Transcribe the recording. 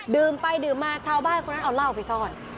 ดื่มไปดื่มมาชาวบ้านคนนั้นเอาเหล้าไปซ่อน